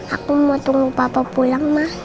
aku mau tunggu papa pulang mah